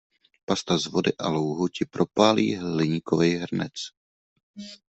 Pasta z vody a louhu ti propálí hliníkovej hrnec.